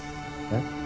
えっ？